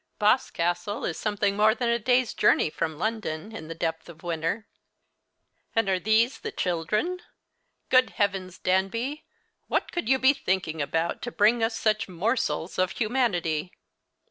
Boscastle is something more than a day's journey from London in the depth of winter." "And are these the children? Good heavens, Danby! what could you be thinking about to bring us such morsels of humanity?"